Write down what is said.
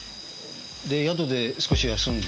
で宿で少し休んで。